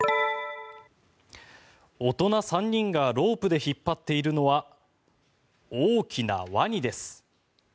大人３人がロープで引っ張っているのは大きなワニです。